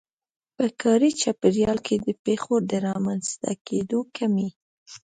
په کاري چاپېريال کې د پېښو د رامنځته کېدو کمی.